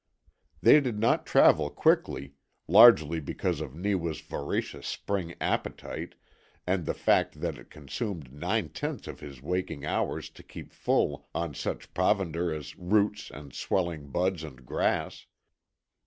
They did not travel quickly, largely because of Neewa's voracious spring appetite and the fact that it consumed nine tenths of his waking hours to keep full on such provender as roots and swelling buds and grass.